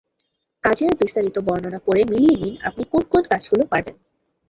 কাজের বিস্তারিত বর্ণনা পড়ে মিলিয়ে নিন আপনি কোন কোন কাজগুলো পারবেন।